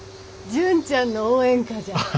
「純ちゃんの応援歌」じゃ。